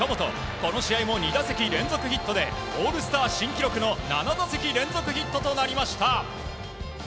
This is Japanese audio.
この試合も２打席連続ヒットでオールスター新記録の７打席連続ヒットとなりました。